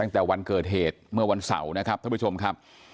ตั้งแต่วันเกิดเหตุเมื่อวันเสาร์นะครับท่านผู้ชมครับ